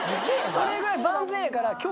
それぐらい万全やから。